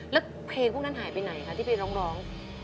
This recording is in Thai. แล้วเพลงพวกนั้นหายไปไหนคะที่ไปร้อง